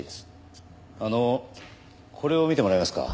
あのこれを見てもらえますか？